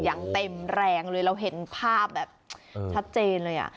อย่างเต็มแรงเลยเราเห็นภาพแบบชัดเจนเลยอ่ะ